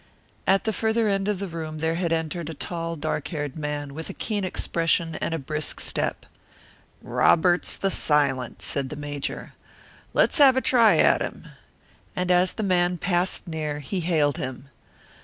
At the farther end of the room there had entered a tall, dark haired man, with a keen expression and a brisk step. "Roberts the Silent," said the Major. "Let's have a try at him." And as the man passed near, he hailed him.